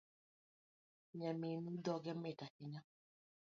Nyaminu dhoge mit ahinya